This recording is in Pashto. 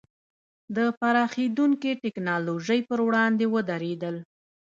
د پراخېدونکې ټکنالوژۍ پر وړاندې ودرېدل.